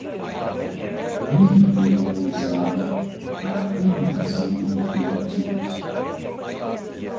Middleware é usado para comunicação entre aplicativos.